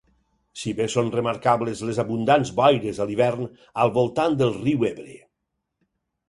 Si bé són remarcables les abundants boires a l'hivern al voltant del riu Ebre.